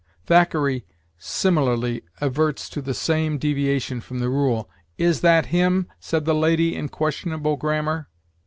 Thackeray similarly adverts to the same deviation from the rule: '"Is that him?" said the lady in questionable grammar.'